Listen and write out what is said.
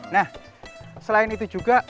nah selain itu juga